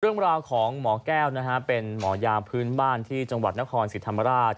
เรื่องราวของหมอแก้วนะฮะเป็นหมอยาพื้นบ้านที่จังหวัดนครศรีธรรมราช